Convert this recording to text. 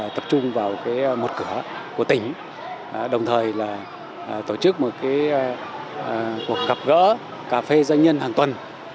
tập trung vào một cửa của tỉnh đồng thời là tổ chức một cuộc gặp gỡ cà phê doanh nhân hàng tuần